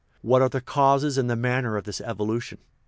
What are the causes and the manner of this evolution?